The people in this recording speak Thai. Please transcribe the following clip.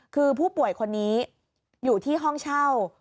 คือผู้ป่วยคนนี้อยู่ที่ห้องเช่า